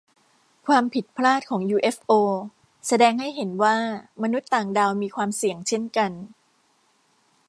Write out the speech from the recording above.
ความผิดพลาดของยูเอฟโอแสดงให้เห็นว่ามนุษย์ต่างดาวมีความเสี่ยงเช่นกัน